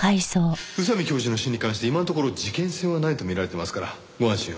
宇佐美教授の死に関して今のところ事件性はないと見られてますからご安心を。